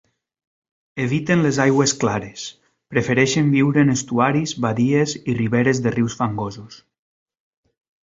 Eviten les aigües clares, prefereixen viure en estuaris, badies i riberes de rius fangosos.